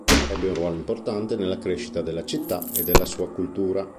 Ebbe un ruolo importante nella crescita della città e della sua cultura.